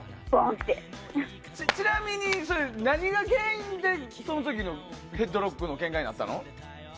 ちなみに何が原因でその時のヘッドロックのケンカになったの？